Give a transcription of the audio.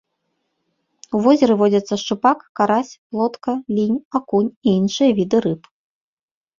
У возеры водзяцца шчупак, карась, плотка, лінь, акунь і іншыя віды рыб.